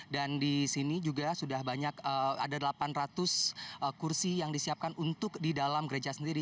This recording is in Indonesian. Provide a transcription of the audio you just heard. dan di sini juga sudah banyak ada delapan ratus kursi yang disiapkan untuk di dalam gereja sendiri